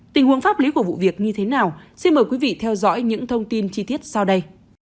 tình huống pháp lý của vụ việc như thế nào xin mời quý vị theo dõi những thông tin chi tiết sau đây